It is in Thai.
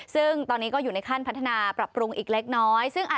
สำหรับสาววัยใกล้หลักสี่อย่างพี่มิวง่ายสุด